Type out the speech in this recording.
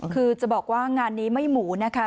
คือจะบอกว่างานนี้ไม่หมูนะคะ